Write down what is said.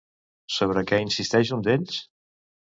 Sobre què insisteix un d'ells?